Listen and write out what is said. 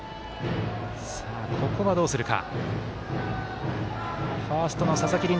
ここはどうするか。